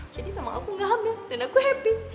jadi nama aku gak hamil dan aku happy